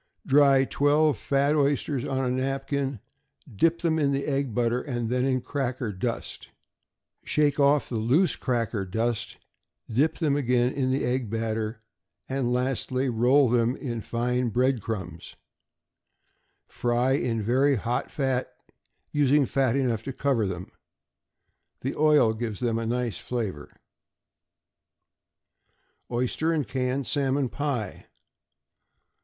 Dry twelve fat oysters on a napkin; dip them in the egg batter, then in cracker dust; shake off the loose cracker dust, dip them again in the egg batter, and lastly roll them in fine bread crumbs. Fry in very hot fat, using fat enough to cover them. The oil gives them a nice flavor. =Oyster and Canned Salmon Pie.